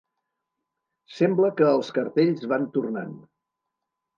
Sembla que els cartells van tornant.